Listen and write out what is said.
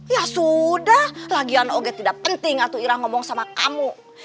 ya sudah lagian oke tidak penting aku ira ngomong sama kamu